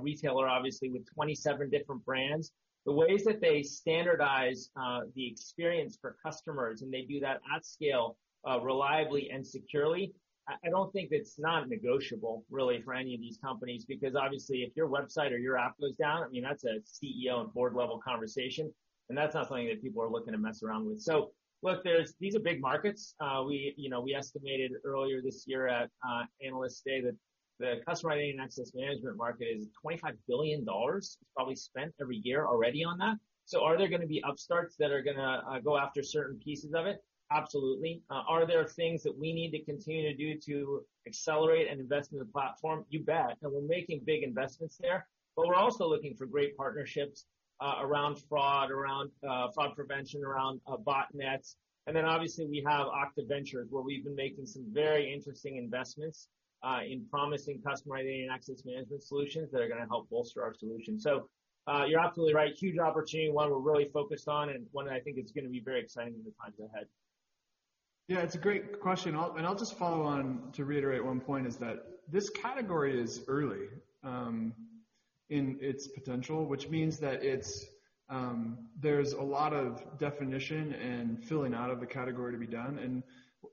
retailer, obviously, with 27 different brands. The ways that they standardize the experience for customers, they do that at scale, reliably and securely. I don't think it's negotiable, really, for any of these companies, because obviously if your website or your app goes down, that's a CEO and board-level conversation, that's not something that people are looking to mess around with. Look, these are big markets. We estimated earlier this year at Analyst Day that the customer identity and access management market is $25 billion is probably spent every year already on that. Are there going to be upstarts that are going to go after certain pieces of it? Absolutely. Are there things that we need to continue to do to accelerate and invest in the platform? You bet. We're making big investments there, but we're also looking for great partnerships around fraud prevention, around botnets. Then obviously we have Okta Ventures, where we've been making some very interesting investments in promising Customer Identity and Access Management solutions that are going to help bolster our solution. You're absolutely right, huge opportunity, one we're really focused on, and one that I think is going to be very exciting in the times ahead. Yeah, it's a great question. I'll just follow on to reiterate one point is that this category is early in its potential, which means that there's a lot of definition and filling out of the category to be done.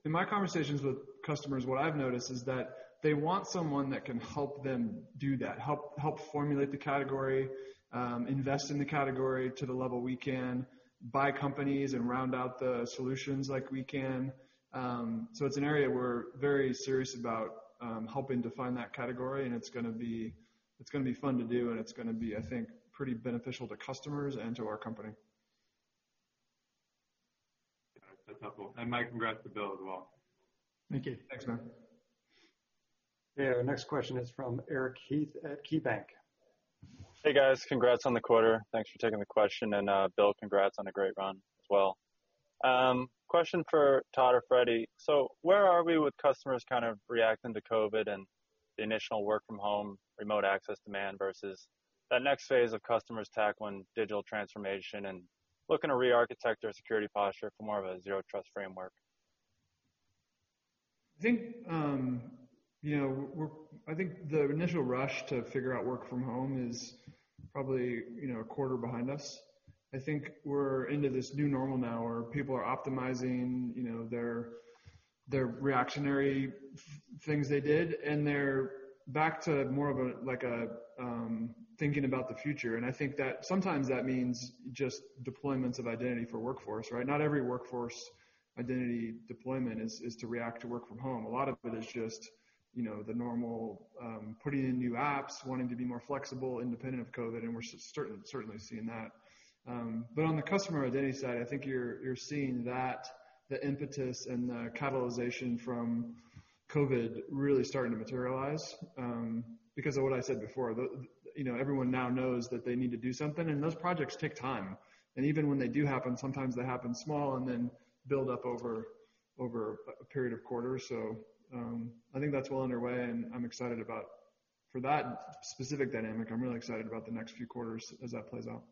In my conversations with customers, what I've noticed is that they want someone that can help them do that, help formulate the category, invest in the category to the level we can, buy companies and round out the solutions like we can. It's an area we're very serious about helping define that category and it's going to be fun to do, and it's going to be, I think, pretty beneficial to customers and to our company. Yeah. That's helpful. My congrats to Bill as well. Thank you. Thanks, man. Yeah. Our next question is from Eric Heath at KeyBanc. Hey, guys. Congrats on the quarter. Thanks for taking the question. Bill, congrats on a great run as well. Question for Todd or Freddy. Where are we with customers kind of reacting to COVID and the initial work from home remote access demand versus that next phase of customers tackling digital transformation and looking to re-architect their security posture for more of a Zero Trust framework? I think the initial rush to figure out work from home is probably a quarter behind us. I think we're into this new normal now where people are optimizing their reactionary things they did, and they're back to more of thinking about the future. I think that sometimes that means just deployments of identity for workforce, right? Not every workforce identity deployment is to react to work from home. A lot of it is just the normal putting in new apps, wanting to be more flexible independent of COVID, and we're certainly seeing that. On the customer identity side, I think you're seeing that the impetus and the catalyzation from COVID really starting to materialize because of what I said before. Everyone now knows that they need to do something, and those projects take time, and even when they do happen, sometimes they happen small and then build up over a period of quarters. I think that's well underway, and I'm excited about for that specific dynamic. I'm really excited about the next few quarters as that plays out.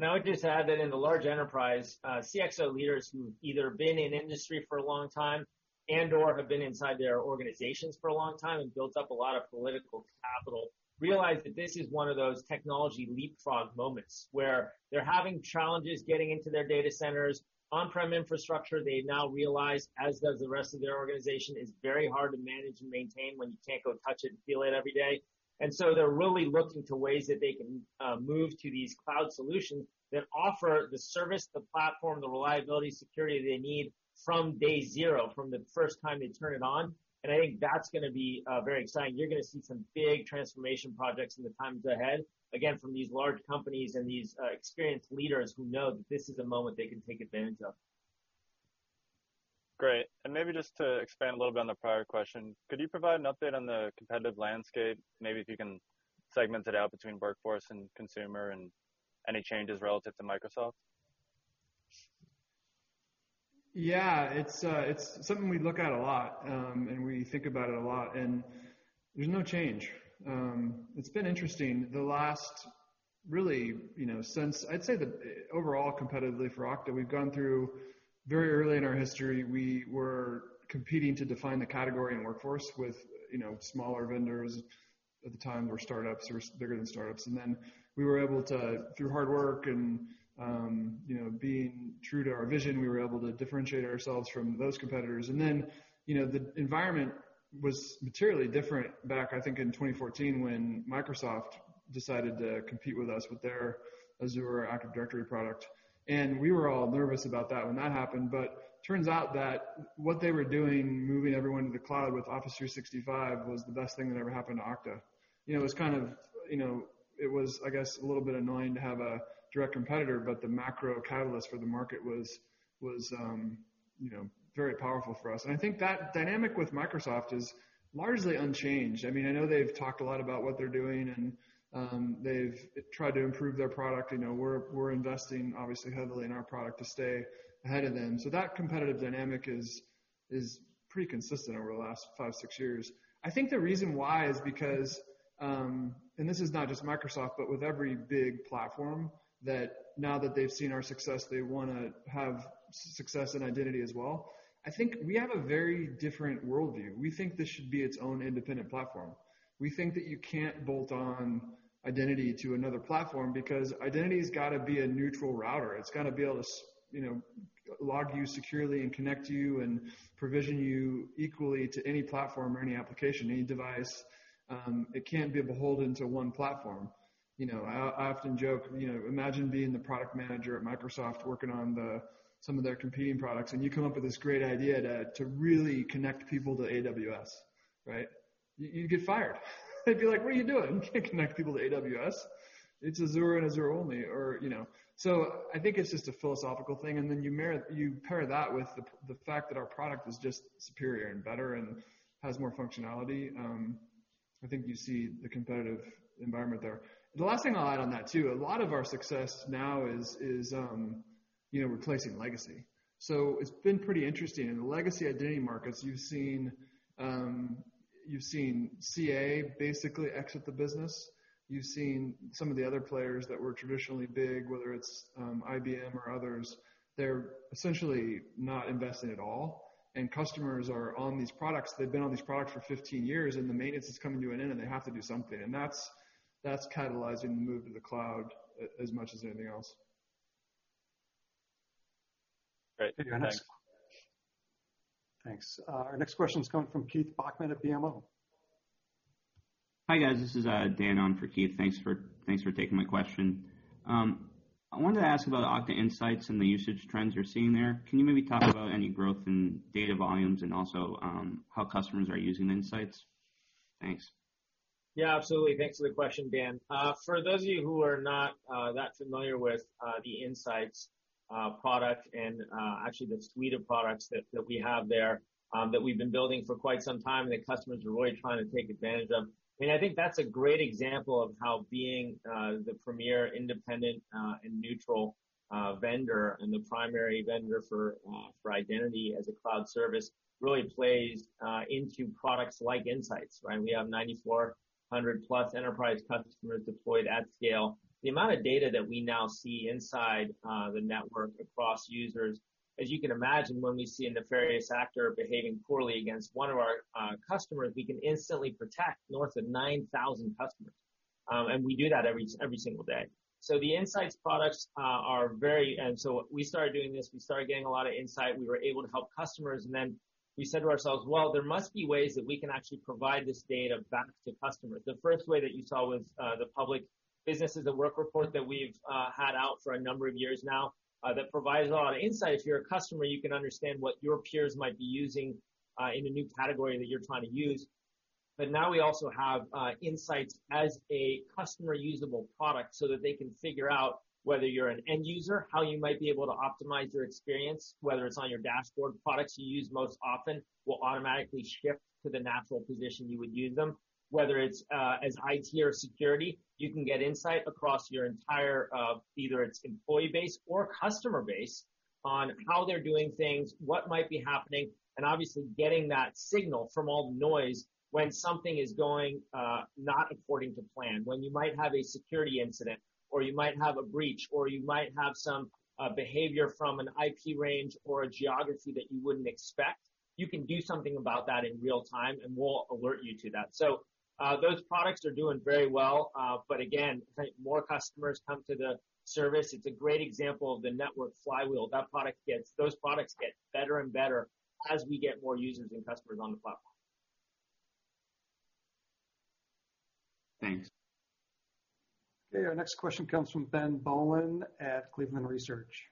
I would just add that in the large enterprise, CXO leaders who've either been in industry for a long time and/or have been inside their organizations for a long time and built up a lot of political capital, realize that this is one of those technology leapfrog moments, where they're having challenges getting into their data centers. On-prem infrastructure, they now realize, as does the rest of their organization, is very hard to manage and maintain when you can't go touch it and feel it every day. They're really looking to ways that they can move to these cloud solutions that offer the service, the platform, the reliability, security they need from day zero, from the first time they turn it on. I think that's going to be very exciting. You're going to see some big transformation projects in the times ahead, again, from these large companies and these experienced leaders who know that this is a moment they can take advantage of. Great. Maybe just to expand a little bit on the prior question, could you provide an update on the competitive landscape? Maybe if you can segment it out between workforce and consumer and any changes relative to Microsoft. Yeah. It's something we look at a lot, and we think about it a lot, and there's no change. It's been interesting. Really, since I'd say that overall competitively for Okta, we've gone through very early in our history, we were competing to define the category and workforce with smaller vendors at the time were startups or bigger than startups. We were able to, through hard work and being true to our vision, we were able to differentiate ourselves from those competitors. The environment was materially different back, I think, in 2014, when Microsoft decided to compete with us with their Azure Active Directory product. We were all nervous about that when that happened, but turns out that what they were doing, moving everyone to the cloud with Office 365, was the best thing that ever happened to Okta. It was, I guess, a little bit annoying to have a direct competitor, but the macro catalyst for the market was very powerful for us. I think that dynamic with Microsoft is largely unchanged. I know they've talked a lot about what they're doing, and they've tried to improve their product. We're investing obviously heavily in our product to stay ahead of them. That competitive dynamic is pretty consistent over the last five to six years. I think the reason why is because, and this is not just Microsoft, but with every big platform, that now that they've seen our success, they want to have success in identity as well. I think we have a very different worldview. We think this should be its own independent platform. We think that you can't bolt on identity to another platform because identity's got to be a neutral router. It's got to be able to log you securely and connect you and provision you equally to any platform or any application, any device. It can't be beholden to one platform. I often joke, imagine being the product manager at Microsoft working on some of their competing products, and you come up with this great idea to really connect people to AWS, right? You'd get fired. They'd be like, "What are you doing? You can't connect people to AWS. It's Azure and Azure only." I think it's just a philosophical thing, and then you pair that with the fact that our product is just superior and better and has more functionality. I think you see the competitive environment there. The last thing I'll add on that too, a lot of our success now is replacing legacy. It's been pretty interesting. In the legacy identity markets, you've seen CA basically exit the business. You've seen some of the other players that were traditionally big, whether it's IBM or others. They're essentially not investing at all, and customers are on these products. They've been on these products for 15 years, and the maintenance is coming to an end, and they have to do something. That's catalyzing the move to the cloud as much as anything else. Great. Thanks. Thanks. Our next question is coming from Keith Bachman at BMO. Hi, guys. This is Dan on for Keith. Thanks for taking my question. I wanted to ask about Okta Insights and the usage trends you're seeing there. Can you maybe talk about any growth in data volumes and also how customers are using Insights? Thanks. Yeah, absolutely. Thanks for the question, Dan. For those of you who are not that familiar with the Insights product, actually the suite of products that we have there that we've been building for quite some time that customers are really trying to take advantage of, I think that's a great example of how being the premier independent and neutral vendor and the primary vendor for identity as a cloud service really plays into products like Insights, right? We have 9,400+ enterprise customers deployed at scale. The amount of data that we now see inside the network across users, as you can imagine, when we see a nefarious actor behaving poorly against one of our customers, we can instantly protect north of 9,000 customers, we do that every single day. We started doing this. We started getting a lot of insight. We were able to help customers. Then we said to ourselves, "There must be ways that we can actually provide this data back to customers." The first way that you saw was the public Businesses at Work report that we've had out for a number of years now that provides a lot of insight. If you're a customer, you can understand what your peers might be using in a new category that you're trying to use. Now we also have Insights as a customer-usable product so that they can figure out whether you're an end user, how you might be able to optimize your experience, whether it's on your dashboard products you use most often will automatically shift to the natural position you would use them. Whether it's as IT or security, you can get insight across your entire, either its employee base or customer base, on how they're doing things, what might be happening, and obviously getting that signal from all the noise when something is going not according to plan. When you might have a security incident or you might have a breach or you might have some behavior from an IP range or a geography that you wouldn't expect, you can do something about that in real time, and we'll alert you to that. Those products are doing very well. Again, as more customers come to the service, it's a great example of the network flywheel. Those products get better and better as we get more users and customers on the platform. Thanks. Okay, our next question comes from Ben Bollin at Cleveland Research.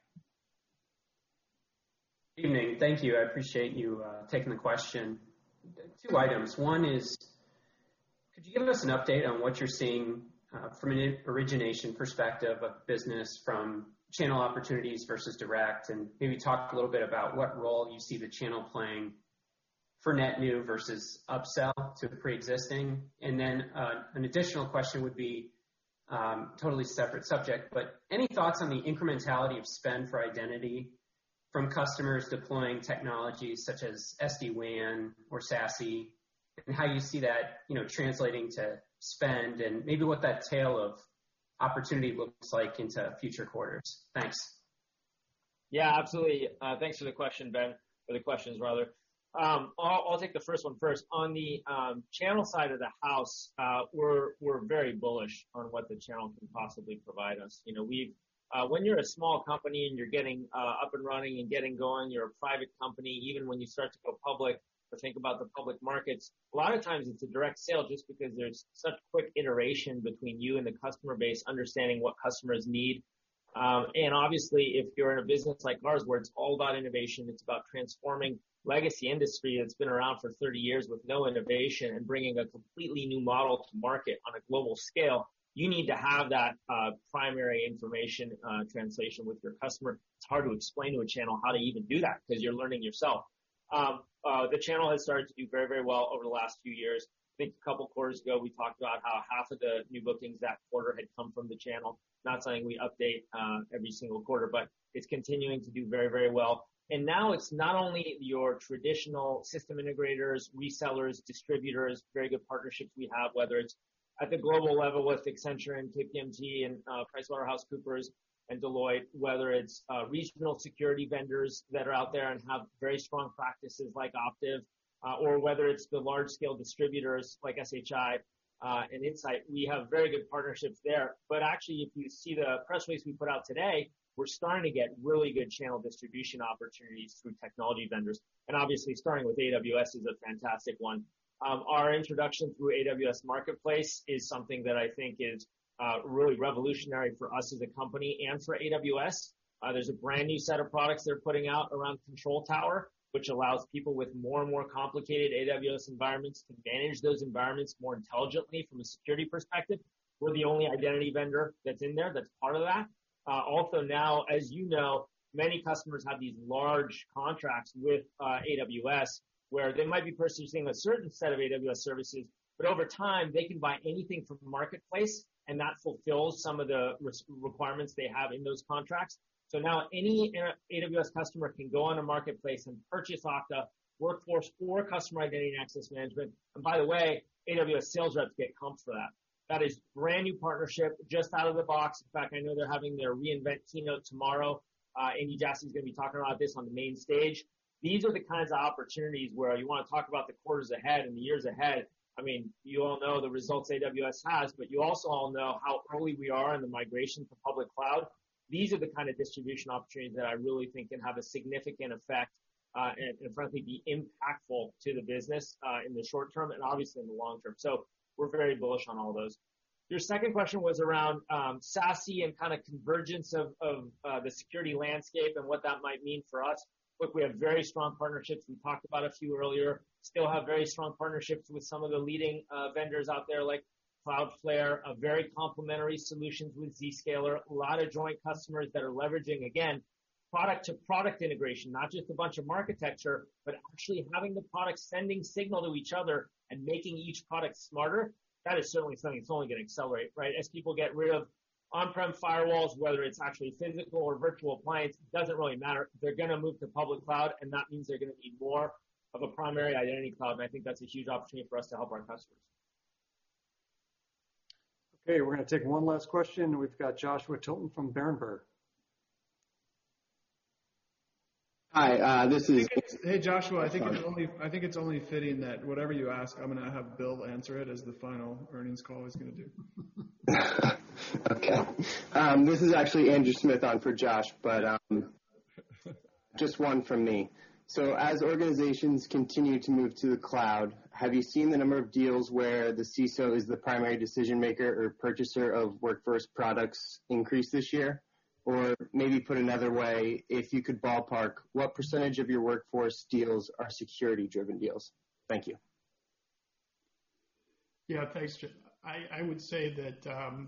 Evening. Thank you. I appreciate you taking the question. Two items. One is, could you give us an update on what you're seeing from an origination perspective of business from channel opportunities versus direct, and maybe talk a little bit about what role you see the channel playing for net new versus upsell to the preexisting? An additional question would be, totally separate subject, but any thoughts on the incrementality of spend for identity from customers deploying technologies such as SD-WAN or SASE, and how you see that translating to spend and maybe what that tail of opportunity looks like into future quarters. Thanks. Yeah, absolutely. Thanks for the question, Ben. For the questions, rather. I'll take the first one first. On the channel side of the house, we're very bullish on what the channel can possibly provide us. When you're a small company and you're getting up and running and getting going, you're a private company, even when you start to go public or think about the public markets, a lot of times it's a direct sale just because there's such quick iteration between you and the customer base, understanding what customers need. Obviously, if you're in a business like ours where it's all about innovation, it's about transforming legacy industry that's been around for 30 years with no innovation and bringing a completely new model to market on a global scale, you need to have that primary information translation with your customer. It's hard to explain to a channel how to even do that because you're learning yourself. The channel has started to do very well over the last few years. I think a couple quarters ago, we talked about how half of the new bookings that quarter had come from the channel. Not something we update every single quarter, but it's continuing to do very well. And now it's not only your traditional system integrators, resellers, distributors, very good partnerships we have, whether it's at the global level with Accenture and KPMG and PricewaterhouseCoopers and Deloitte, whether it's regional security vendors that are out there and have very strong practices like Optiv, or whether it's the large-scale distributors like SHI and Insight. We have very good partnerships there. Actually, if you see the press release we put out today, we're starting to get really good channel distribution opportunities through technology vendors. Obviously starting with AWS is a fantastic one. Our introduction through AWS Marketplace is something that I think is really revolutionary for us as a company and for AWS. There's a brand new set of products they're putting out around Control Tower, which allows people with more and more complicated AWS environments to manage those environments more intelligently from a security perspective. We're the only identity vendor that's in there, that's part of that. Now, as you know, many customers have these large contracts with AWS where they might be purchasing a certain set of AWS services, but over time, they can buy anything from the marketplace, and that fulfills some of the requirements they have in those contracts. Now any AWS customer can go on a Marketplace and purchase Okta Workforce or Customer Identity and Access Management. By the way, AWS sales reps get comps for that. That is brand new partnership, just out of the box. In fact, I know they're having their re:Invent keynote tomorrow. Andy Jassy's going to be talking about this on the main stage. These are the kinds of opportunities where you want to talk about the quarters ahead and the years ahead. You all know the results AWS has, you also all know how early we are in the migration to public cloud. These are the kind of distribution opportunities that I really think can have a significant effect, frankly, be impactful to the business in the short term and obviously in the long term. We're very bullish on all those. Your second question was around SASE and convergence of the security landscape and what that might mean for us. Look, we have very strong partnerships. We talked about a few earlier. Still have very strong partnerships with some of the leading vendors out there like Cloudflare, a very complementary solutions with Zscaler, a lot of joint customers that are leveraging, again, product-to-product integration, not just a bunch of architecture, but actually having the product sending signal to each other and making each product smarter. That is certainly something that's only going to accelerate. As people get rid of on-prem firewalls, whether it's actually physical or virtual appliance, doesn't really matter. They're going to move to public cloud, that means they're going to need more of a primary identity cloud. I think that's a huge opportunity for us to help our customers. Okay, we're going to take one last question. We've got Joshua Tilton from Berenberg. Hi. Hey, Joshua. Sorry. I think it's only fitting that whatever you ask, I'm going to have Bill answer it as the final earnings call he's going to do. Okay. This is actually Andrew Smith on for Josh, just one from me. As organizations continue to move to the cloud, have you seen the number of deals where the CISO is the primary decision-maker or purchaser of Workforce products increase this year? Maybe put another way, if you could ballpark, what percent of your Workforce deals are security-driven deals? Thank you. Yeah, thanks, Josh. I would say that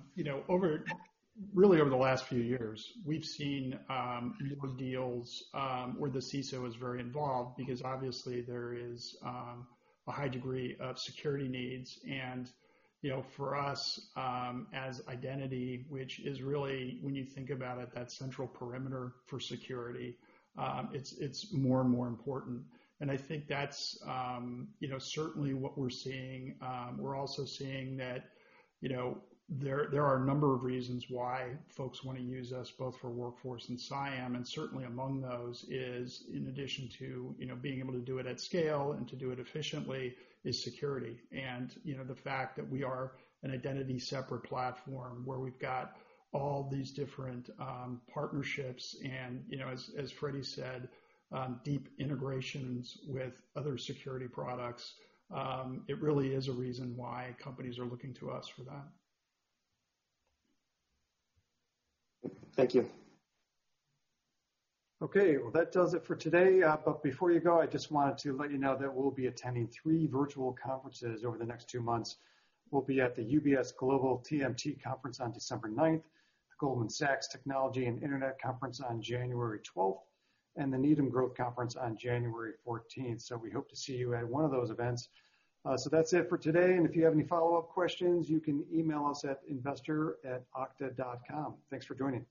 really over the last few years, we've seen a number of deals where the CISO is very involved because obviously there is a high degree of security needs, and for us as identity, which is really, when you think about it, that central perimeter for security, it's more and more important. I think that's certainly what we're seeing. We're also seeing that there are a number of reasons why folks want to use us both for Workforce and CIAM, and certainly among those is, in addition to being able to do it at scale and to do it efficiently, is security. The fact that we are an identity separate platform where we've got all these different partnerships and, as Freddy said, deep integrations with other security products, it really is a reason why companies are looking to us for that. Thank you. Okay, well, that does it for today. Before you go, I just wanted to let you know that we'll be attending three virtual conferences over the next two months. We'll be at the UBS Global TMT Conference on December 9th, the Goldman Sachs Technology and Internet Conference on January 12th, and the Needham Growth Conference on January 14th. We hope to see you at one of those events. That's it for today, and if you have any follow-up questions, you can email us at investor@okta.com. Thanks for joining.